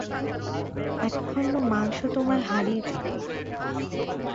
এক খন্ড মাংস তোমায় হারিয়ে দিলো।